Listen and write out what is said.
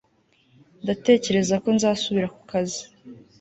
ndatekereza ko nzasubira ku kazi